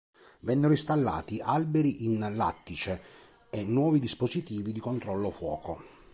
Vennero installati alberi in lattice e nuovi dispositivi di controllo fuoco.